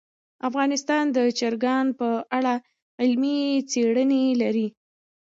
افغانستان د چرګان په اړه علمي څېړنې لري.